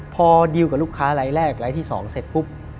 พอดิวกับลูกค้ารายแรกรายที่๒เสร็จปุ๊บ